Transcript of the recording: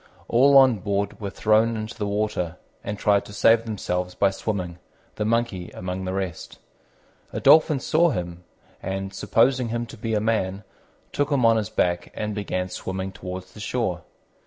All on board were thrown into the water, and tried to save themselves by swimming, the Monkey among the rest. A Dolphin saw him, and, supposing him to be a man, took him on his back and began swimming towards the shore.